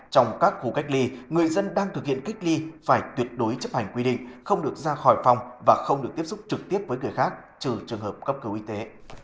trong các khu cách ly người dân đang thực hiện cách ly phải tuyệt đối chấp hành quy định không được ra khỏi phòng và không được tiếp xúc trực tiếp với người khác trừ trường hợp cấp cứu y tế